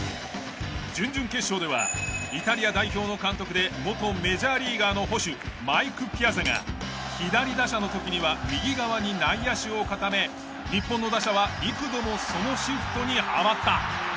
準々決勝ではイタリア代表の監督で元メジャーリーガーの捕手マイク・ピアザが左打者の時には右側に内野手を固め日本の打者は幾度もそのシフトにはまった。